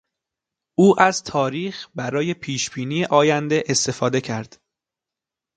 او از تاریخ برای پیشبینی آینده استفاده کرد.